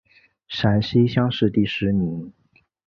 陕西乡试第十名。